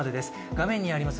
画面にあります